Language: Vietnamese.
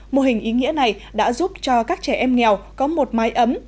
mô hình ý nghĩa này đã giúp cho các trẻ em nghèo có một mái ấm